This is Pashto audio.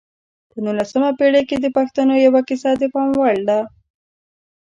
په نولسمه پېړۍ کې د پښتنو یوه کیسه د پام وړ ده.